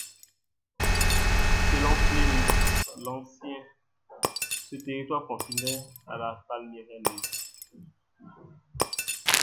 Selon Pline l'Ancien, ce territoire confinait à la Palmyrène.